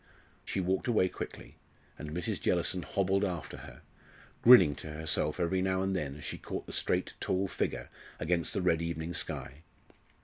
She walked away quickly, and Mrs. Jellison hobbled after her, grinning to herself every now and then as she caught the straight, tall figure against the red evening sky.